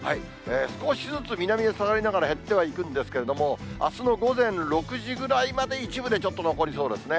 少しずつ南へ下がりながら減ってはいくんですけれども、あすの午前６時ぐらいまで、一部でちょっと残りそうですね。